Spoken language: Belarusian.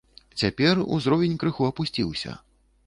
Цяпер узровень крыху апусціўся.